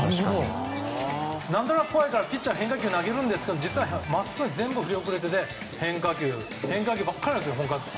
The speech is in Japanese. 何となく怖いからピッチャーは変化球投げるんですけど実はまっすぐに振り遅れてて変化球ばかりなんですよ。